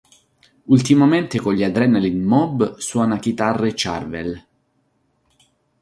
Ultimamente con gli Adrenaline Mob suona chitarre Charvel.